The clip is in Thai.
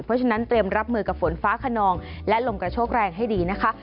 เพราะฉะนั้นเตรียมรับมือกับฝนฟ้าขนองและลมกระโชกแรงให้ดีนะคะ